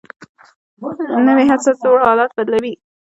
نوې هڅه زوړ حالت بدلوي